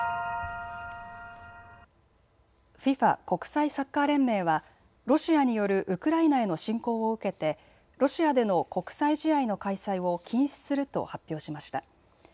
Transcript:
ＦＩＦＡ・国際サッカー連盟は、ロシアによるウクライナへの侵攻を受けてロシアでの国際試合の開催を禁止すると発表しました。